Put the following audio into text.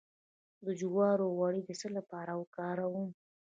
د جوارو غوړي د څه لپاره وکاروم؟